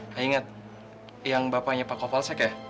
saya ingat yang bapaknya pak kapolsek ya